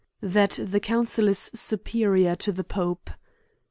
That the council is superior to the pope.